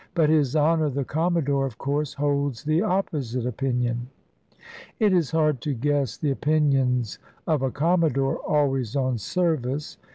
But his Honour the Commodore, of course, holds the opposite opinion." "It is hard to guess the opinions of a commodore always on service.